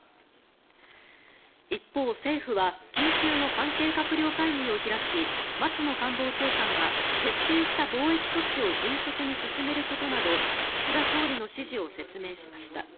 一方、政府は緊急の関係閣僚会議を開き松野官房長官が徹底した防疫措置を迅速に進めることなど岸田総理の指示を説明しました。